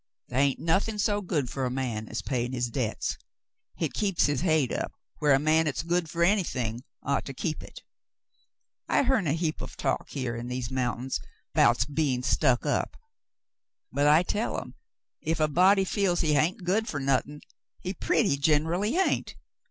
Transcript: The' hain't nothin' so good fer a man as payin' his debts. Hit Cassandra's Trouble 1£S keeps his hade up whar a man 'at's good fer anything ought to keep hit. I hearn a heap o' talk here in these mountains 'bouts bein' stuck up, but I tell 'em if a body feels he hain't good fer nothin', he pretty generally hain't.